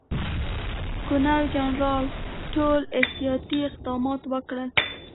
ګورنرجنرال ټول احتیاطي اقدامات وکړل.